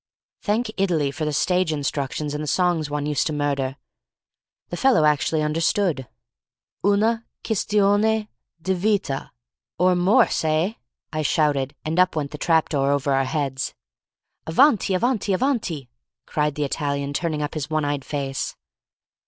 Thank Italy for the stage instructions in the songs one used to murder! The fellow actually understood. "Una—quistione—di—vita." "Or mors, eh?" I shouted, and up went the trap door over our heads. "Avanti, avanti, avanti!" cried the Italian, turning up his one eyed face.